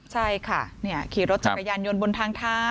ใช่ค่ะขี่รถจักรยานยนต์บนทางเท้า